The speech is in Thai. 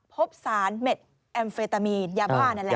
พบสารเม็ดแอมเฟตามีนยาบ้านั่นแหละ